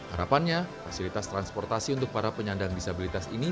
harapannya fasilitas transportasi untuk para penyandang disabilitas ini